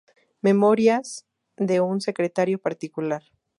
Memorias de un secretario particular".